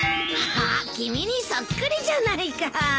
あっ君にそっくりじゃないか。